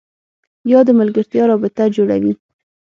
یا د ملګرتیا رابطه جوړوي